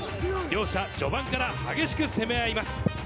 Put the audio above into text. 両者、序盤から激しく攻め合います。